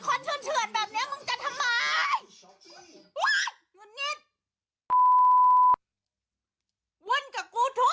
กินให้ดูเลยค่ะว่ามันปลอดภัย